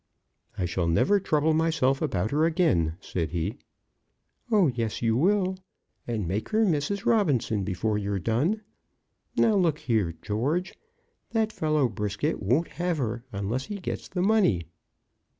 "I shall never trouble myself about her again," said he. "Oh, yes, you will; and make her Mrs. Robinson before you've done. Now, look here, George; that fellow Brisket won't have her, unless he gets the money."